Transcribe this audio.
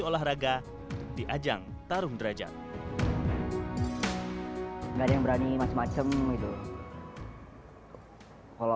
anak anak muda ini pun merasakan banyak manfaat